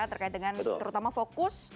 terkait dengan terutama fokus